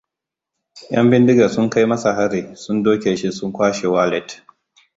Yan bindiga sun kai masa hari. Sun doke shi suka kwashe walat.